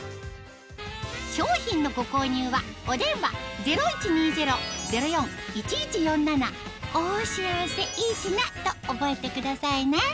商品のご購入はお電話０１２０−０４−１１４７と覚えてくださいね